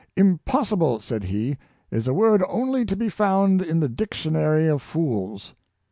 " Impossible," said he, " is a word only to be found in the dictionary of fools."